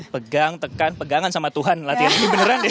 pegang tekan pegangan sama tuhan latihan ini beneran deh